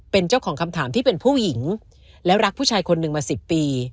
เป็นเจ้าของคำถามที่เป็นผู้หญิงและรักผู้ชายคนหนึ่งมา๑๐ปี